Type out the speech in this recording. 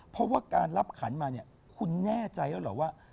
เพราะว่าการรับขันมาคุณแน่ใจได้หรอว่า